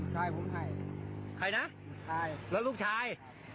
ฉันให้นะเราหรือลูกชาย